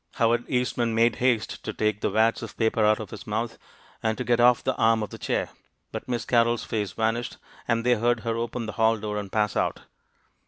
Howard Eastman made haste to take the wads of paper out of his mouth, and to get off the arm of the chair; but Miss Carrol's face vanished, and they heard her open the hall door and pass out.